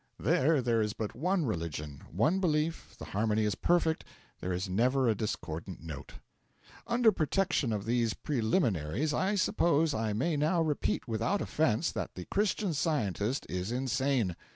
There there is but one religion, one belief, the harmony is perfect, there is never a discordant note. Under protection of these preliminaries I suppose I may now repeat without offence that the Christian Scientist is insane.